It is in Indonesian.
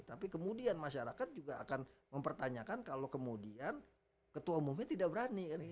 tapi kemudian masyarakat juga akan mempertanyakan kalau kemudian ketua umumnya tidak berani